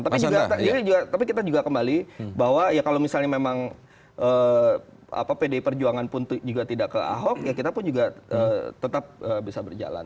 tapi juga tapi kita juga kembali bahwa ya kalau misalnya memang pdi perjuangan pun juga tidak ke ahok ya kita pun juga tetap bisa berjalan